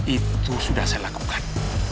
itu sudah saya lakukan